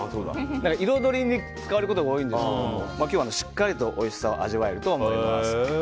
彩りに使われることが多いんですけど今日はしっかりとおいしさを味わえると思います。